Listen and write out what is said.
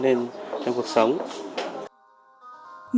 những phim ngắn sẽ được sử dụng vào các mục đích truyền thông